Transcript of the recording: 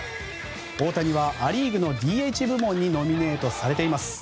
大谷はア・リーグのＤＨ部門にノミネートされています。